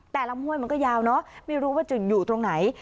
แต่ลำห้วยมันก็ยาวเนอะไม่รู้ว่าจะอยู่ตรงไหน